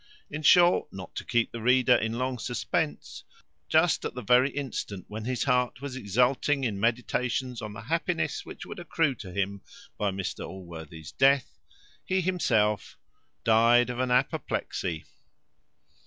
In short, not to keep the reader in long suspense, just at the very instant when his heart was exulting in meditations on the happiness which would accrue to him by Mr Allworthy's death, he himself died of an apoplexy.